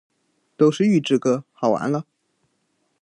都是预制歌，好完了